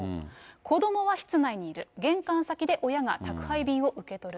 子どもは室内にいる、玄関先で親が宅配便を受け取る。